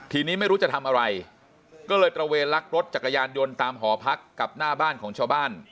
ทีนี้ไม่รู้จะทำอะไรก็เลยตระเวนลักรถจักรยานยนต์ตามหอพักกับหน้าบ้านของชาวบ้าน